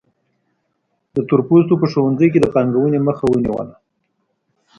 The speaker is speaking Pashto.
د تور پوستو په ښوونځیو کې د پانګونې مخه ونیوله.